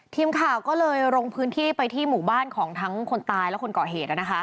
ทีมข่าวก็เลยลงพื้นที่ไปที่หมู่บ้านของทั้งคนตายและคนเกาะเหตุ